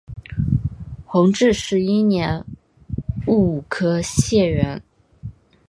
弘治十一年戊午科解元。